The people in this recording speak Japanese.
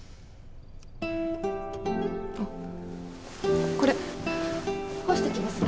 あっこれ干してきますね。